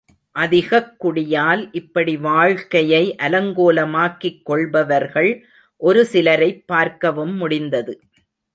அதிகக் குடியால் இப்படி வாழ்க்கையை அலங்கோலமாக்கிக் கொள்பவர்கள் ஒரு சிலரைப் பார்க்கவும் முடிந்தது.